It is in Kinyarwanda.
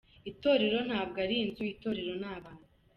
Itorero ntabwo ari inzu, itorero ni abantu.